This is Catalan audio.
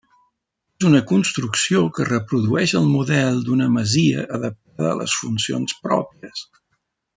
És una construcció que reprodueix el model d'una masia adaptada a les funcions pròpies.